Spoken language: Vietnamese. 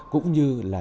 cũng như là